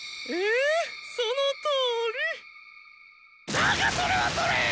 だがそれはそれぇ！